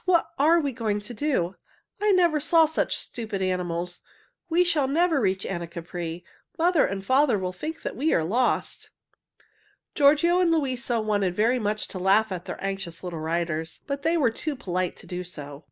"What are we going to do? I never saw such stupid animals. We shall never reach Anacapri. Father and mother will think we are lost." Giorgio and Luisa wanted very much to laugh at their anxious little riders, but they were too polite to do so.